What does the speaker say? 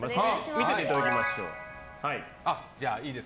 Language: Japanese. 見せていただきましょう。